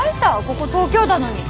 ここ東京だのに！